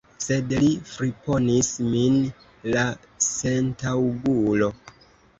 Sed li friponis min, la sentaŭgulo!